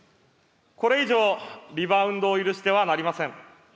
これ以上、リバウンドを許してはなりません。